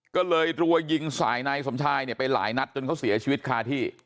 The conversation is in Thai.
ก็เลยรัวยิงใส่นายสมชายเนี่ยไปหลายนัดจนเขาเสียชีวิตคาที่